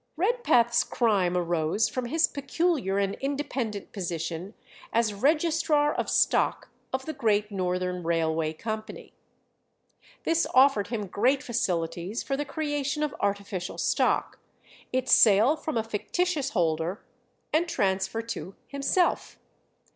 Redpath's crime arose from his peculiar and independent position as registrar of stock of the Great Northern Railway Company. This offered him great facilities for the creation of artificial stock, its sale from a fictitious holder, and transfer to himself.